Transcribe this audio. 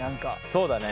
そうだね。